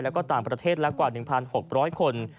แล้วก็ต่างประเทศละกว่า๑๖๐๐คน